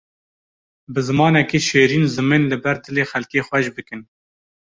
Bi zimanekî şêrîn zimên li ber dilê xelkê xweş bikin.